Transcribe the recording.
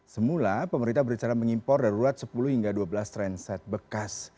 semula pemerintah bercara mengimpor darurat sepuluh hingga dua belas tren set bekas